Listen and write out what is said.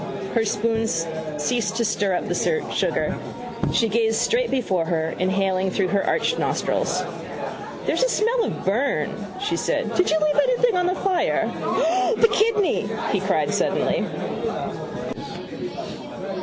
Her spoon ceased to stir up the sugar. She gazed straight before her, inhaling through her arched nostrils. —There's a smell of burn, she said. Did you leave anything on the fire? —The kidney! he cried suddenly.